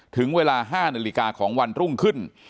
ถึงเวลา๕นาฬิกาของวันรุ่งขึ้น